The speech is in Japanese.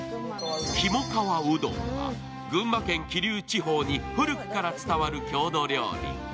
ひもかわうどんは群馬県桐生地方に古くから伝わる郷土料理。